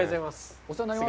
お世話になります。